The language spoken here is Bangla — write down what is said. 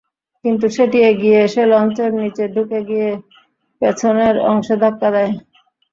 কিন্তু সেটি এগিয়ে এসে লঞ্চের নিচে ঢুকে গিয়ে পেছনের অংশে ধাক্কা দেয়।